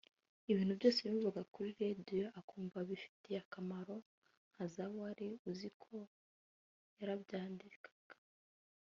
ibintu byose yumvaga kuri Radio akumva bifite akamaro nka za ’Wari Uzi ko’ yarabyandikaga